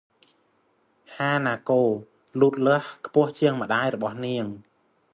ហាណាកូ លូតខ្ពស់ជាងម្តាយរបស់នាង ។